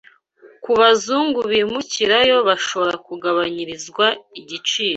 Kubazungu bimukirayo bashora kugabanyirizwa igiciro